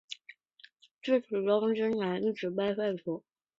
自此中圻钦使一职被废除。